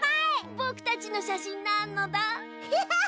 ぼくたちのしゃしんなのだ。